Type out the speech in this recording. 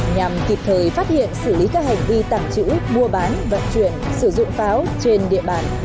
nhằm kịp thời phát hiện xử lý các hành vi tàng trữ mua bán vận chuyển sử dụng pháo trên địa bàn